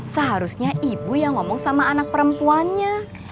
seharusnya ibu yang ngomong sama anak perempuannya